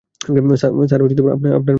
Sir, আপনার মেয়ে হয়েছে।